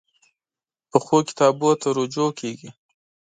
پخو کتابونو ته رجوع کېږي